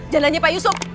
jandanya pak yusuf